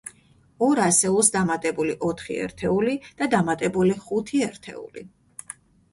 ორ ასეულს დამატებული ოთხი ერთეული და დამატებული ხუთი ერთეული.